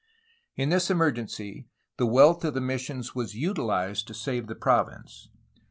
In this emergency the wealth of the missions was utilized to save the province.